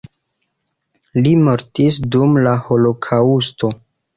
Li mortis dum la holokaŭsto.